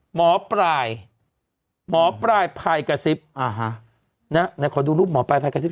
หมอปลายหมอปลายพายกระซิบอ่าฮะนะไหนขอดูรูปหมอปลายภายกระซิบ